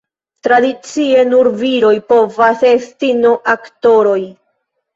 Tradicie, nur viroj povas esti no-aktoroj.